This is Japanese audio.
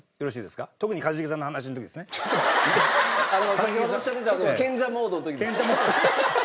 先ほどおっしゃってた賢者モードの時ですね。